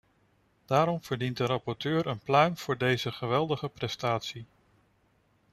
Daarom verdient de rapporteur een pluim voor deze geweldige prestatie.